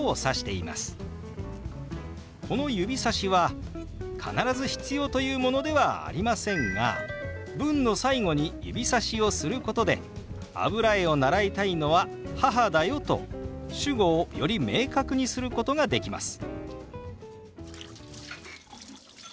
この指さしは必ず必要というものではありませんが文の最後に指さしをすることで「油絵を習いたいのは母だよ」と主語をより明確にすることができます。